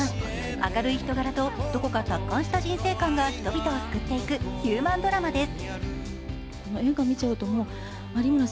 明るい人柄と、どこか達観した人生観が人々を救っていくヒューマンドラマです。